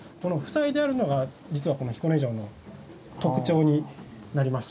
塞いであるのが実は彦根城の特徴になりまして。